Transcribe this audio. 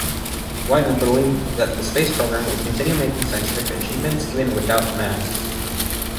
Weisner believed that the space program would continue making scientific advancements even without man.